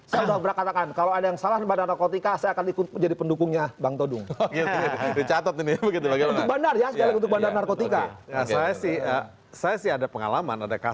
sebagai contoh misalnya